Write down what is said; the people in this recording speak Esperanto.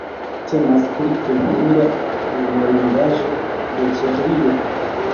Temas pri kultura memorindaĵo de Ĉeĥio.